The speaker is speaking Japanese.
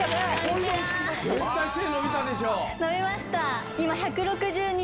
伸びました。